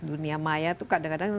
dunia maya itu kadang kadang